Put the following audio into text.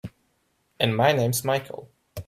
And my name's Michael.